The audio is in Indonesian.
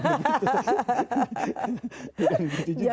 jangan begitu juga ya